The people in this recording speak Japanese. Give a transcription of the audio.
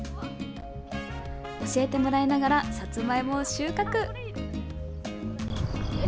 教えてもらいながらさつまいもを収穫。